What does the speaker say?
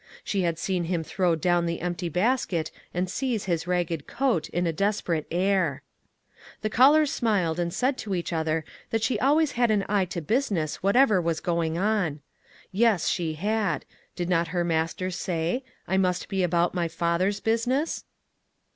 She had seen him throw down the empty basket and seize his ragged coat in a desperate air. The cullers smiled and said to each other 224 ONE COMMONPLACE DAY. that she always had an eye to business whatever was going on. Yes, she had ; did not her Master say :" I must be about my Father's business?